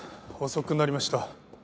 遅くなりました。